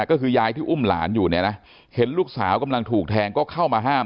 ก็คือยายที่อุ้มหลานอยู่เนี่ยนะเห็นลูกสาวกำลังถูกแทงก็เข้ามาห้าม